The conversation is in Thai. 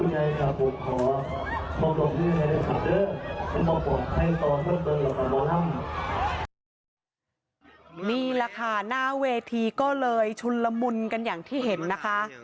นี่แหละค่ะหน้าเวทีก็เลยชุนละมุนกันอย่างที่เห็นนะคะ